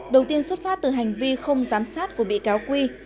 đầu tiên xuất phát từ hành vi không giám sát của bị cáo quy